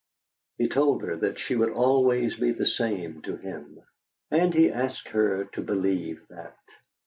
He told her that she would always be the same to him, and he asked her to believe that.